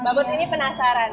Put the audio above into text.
mbak putri ini penasaran